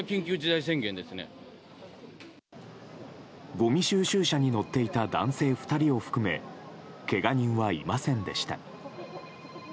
ごみ収集車に乗っていた男性２人を含めけが人はいませんでした。